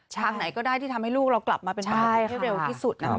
ไหนก็ได้ที่ทำให้ลูกเรากลับมาเป็นบ้านให้เร็วที่สุดนะครับ